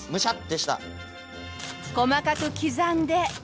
細かく刻んで。